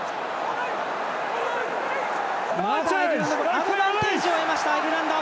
アドバンテージを得ましたアイルランド。